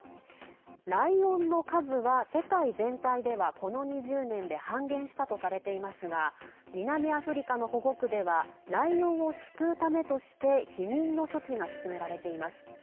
ライオンの数は世界全体ではこの２０年で半減したとされていますが南アフリカの保護区ではライオンを救うためとして避妊の処置が進められています。